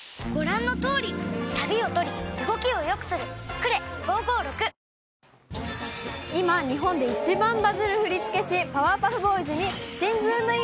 それではまいりましょう、今、日本で一番バズる振り付け師、パワーパフボーイズに、新ズームイン！！